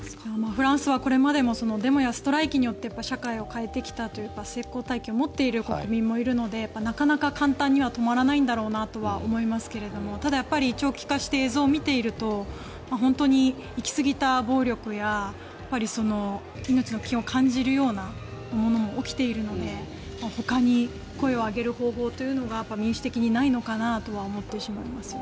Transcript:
フランスはこれまでもデモやストライキによって社会を変えてきたという成功体験を持っている国民もいるのでなかなか簡単には止まらないんだろうなとは思いますけどただ、長期化して映像を見ていると本当に行きすぎた暴力や命の危険を感じるようなものも起きているのでほかに声を上げる方法というのが民主的にないのかなと思ってしまいます。